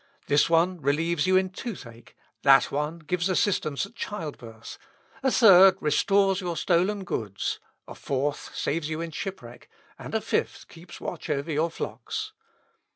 This one relieves you in toothache, that one gives assistance at childbirth, a third restores your stolen goods, a fourth saves you in shipwreck, and a fifth keeps watch over your flocks.